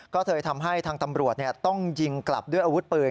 ก็เลยทำให้ทางตำรวจต้องยิงกลับด้วยอาวุธปืน